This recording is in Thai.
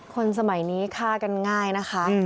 คนสมัยนี้ฆ่ากันง่ายนะคะ